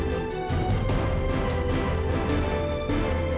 ya kena begini renyah